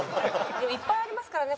でもいっぱいありますからね。